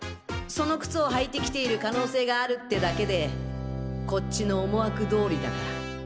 その靴を履いて来ている可能性があるってだけでこっちの思惑通りだから。